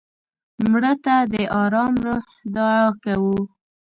مړه ته د ارام روح دعا کوو